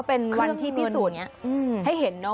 เป็นพิสูตรให้เห็นนะ